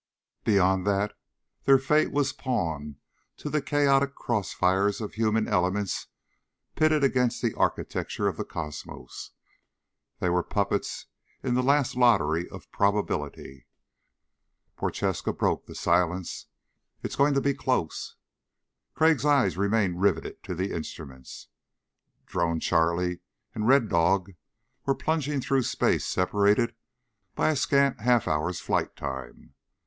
Beyond that their fate was pawn to the chaotic cross fires of human elements pitted against the architecture of the cosmos. They were puppets in the last lottery of probability. Prochaska broke the silence: "It's going to be close." Crag's eyes remained riveted to the instruments. Drone Charlie and Red Dog were plunging through space separated by a scant half hour's flight time.